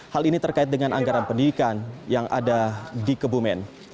hal ini terkait dengan anggaran pendidikan yang ada di kebumen